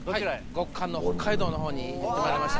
極寒の北海道のほうに行ってまいりました。